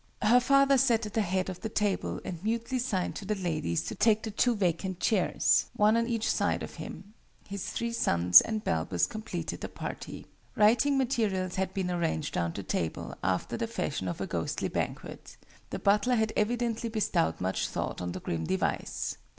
Her father sat at the head of the table, and mutely signed to the ladies to take the two vacant chairs, one on each side of him. His three sons and Balbus completed the party. Writing materials had been arranged round the table, after the fashion of a ghostly banquet: the butler had evidently bestowed much thought on the grim device.